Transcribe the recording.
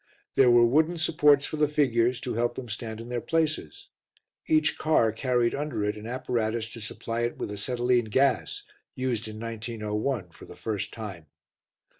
There were wooden supports for the figures, to help them to stand in their places. Each car carried under it an apparatus to supply it with acetylene gas, used in 1901 for the first time.